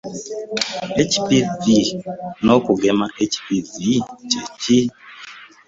HPV n’okugema HPV kye ki?